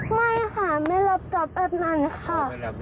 ไม่ค่ะไม่รับทรัพย์แบบนั้นค่ะ